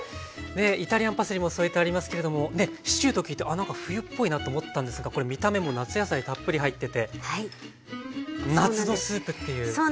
イタリアンパセリも添えてありますけれどもシチューと聞いてなんか冬っぽいなと思ったんですがこれ見た目も夏野菜たっぷり入ってて夏のスープっていう感じですね。